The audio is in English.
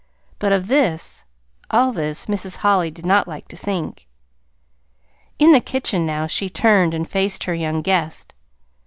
But of this, all this, Mrs. Holly did not like to think. In the kitchen now she turned and faced her young guest.